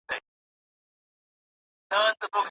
ورځ یې شېبه وي شپه یې کال وي زما او ستا کلی دی